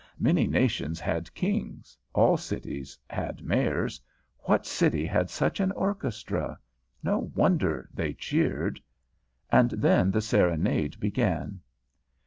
Many nations had kings; all cities had mayors; what city had such an orchestra? No wonder they cheered. And then the serenade began.